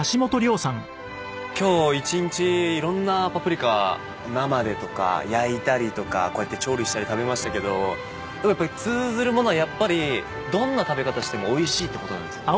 今日一日色んなパプリカ生でとか焼いたりとかこうやって調理したり食べましたけど通ずるものはやっぱりどんな食べ方してもおいしいって事なんですよね。